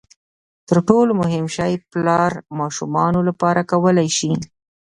تر ټولو مهم شی پلار ماشومانو لپاره کولای شي.